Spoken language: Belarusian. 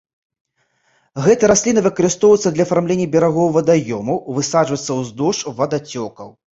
Гэта расліна выкарыстоўваецца для афармлення берагоў вадаёмаў, высаджваецца ўздоўж вадацёкаў.